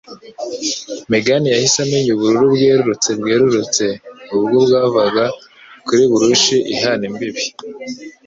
Megan yahise amenya ubururu bwerurutse bwerurutse ubwo bwavaga kuri brush ihana imbibi.